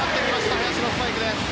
林のスパイクです。